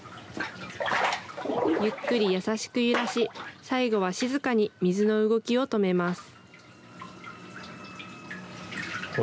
ゆっくり優しく揺らし、最後は静かに水の動きを止めます。